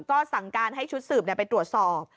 ก็สั่งการให้ชุดสืบไปตรวจสอบ